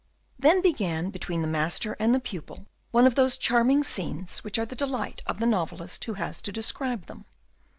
Then began between the master and the pupil one of those charming scenes which are the delight of the novelist who has to describe them.